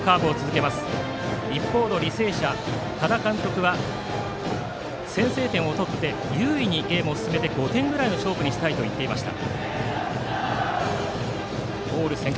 一方、履正社の多田監督は、先制点を取って優位にゲームを進めて５点ぐらいの勝負にしたいと言っていました。